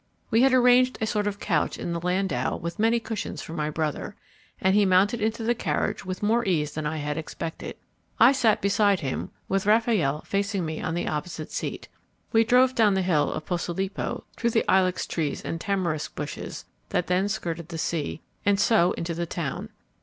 We had arranged a sort of couch in the landau with many cushions for my brother, and he mounted into the carriage with more ease than I had expected. I sat beside him, with Raffaelle facing me on the opposite seat. We drove down the hill of Posilipo through the ilex trees and tamarisk bushes that then skirted the sea, and so into the town.